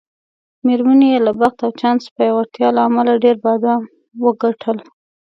میرمنې یې له بخت او چانس پیاوړتیا له امله ډېر بادام وګټل.